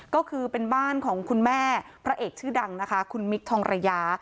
ก็คือเป็นบ้านของคุณแม่พระเอกชื่อดังนะคะคุณมิคทองระยา